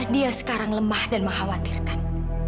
dia sekarang lemah dan mengkhawatirkan